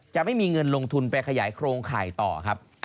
จะไม่มีเงินลงทุนไปขยายโครงข่ายต่อครับ